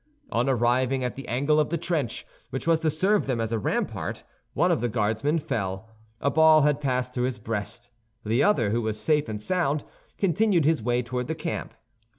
On arriving at the angle of the trench which was to serve them as a rampart, one of the Guardsmen fell. A ball had passed through his breast. The other, who was safe and sound, continued his way toward the camp.